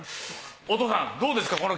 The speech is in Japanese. お父さんどうですか？